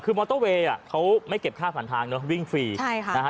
คือมอเตอร์เวย์อ่ะเขาไม่เก็บค่าผ่านทางเนอะวิ่งฟรีใช่ค่ะนะฮะ